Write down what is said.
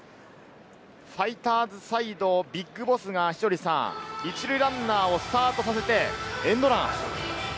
ファイターズサイド、ＢＩＧＢＯＳＳが稀哲さん、１塁ランナーをスタートさせてエンドラン。